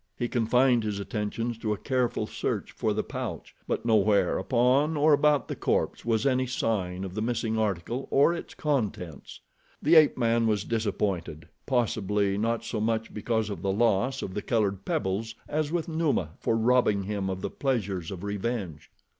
He confined his attentions to a careful search for the pouch, but nowhere upon or about the corpse was any sign of the missing article or its contents. The ape man was disappointed—possibly not so much because of the loss of the colored pebbles as with Numa for robbing him of the pleasures of revenge.